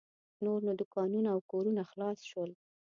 نور نو دوکانونه او کورونه خلاص شول.